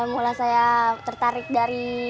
mulai saya tertarik dari